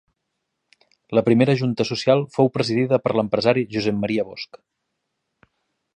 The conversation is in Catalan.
La primera junta social fou presidida per l'empresari Josep Maria Bosch.